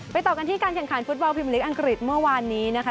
ต่อกันที่การแข่งขันฟุตบอลพิมพลิกอังกฤษเมื่อวานนี้นะคะ